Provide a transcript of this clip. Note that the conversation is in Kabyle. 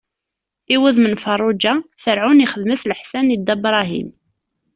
I wudem n Feṛṛuǧa, Ferɛun ixdem-as leḥsan i Dda Bṛahim.